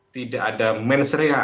tidak ada mens rea tidak ada niat jahat